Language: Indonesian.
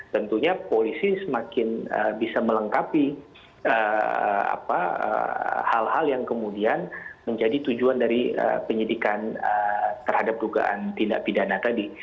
tentunya polisi semakin bisa melengkapi hal hal yang kemudian menjadi tujuan dari penyidikan terhadap dugaan tindak pidana tadi